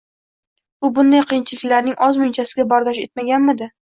U bunday qiyinchiliklarning ozmunchasiga bardosh etmaganmi-di?!